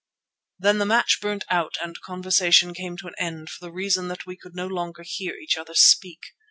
Then the match burnt out and conversation came to an end for the reason that we could no longer hear each other speak.